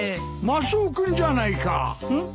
・マスオ君じゃないか。ん？